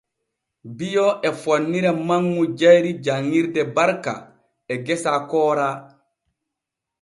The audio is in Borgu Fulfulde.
Bio e fonnira manŋu jayri janŋirde Barka e gasa Koora.